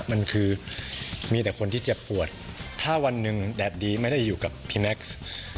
มันคือมีแต่คนที่เจ็บปวดถ้าวันหนึ่งแดดดีไม่ได้อยู่กับพี่แม็กซ์